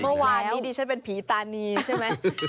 เมื่อวานนี้ดิฉันเป็นผีตานีใช่ไหม